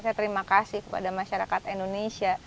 saya terima kasih kepada masyarakat indonesia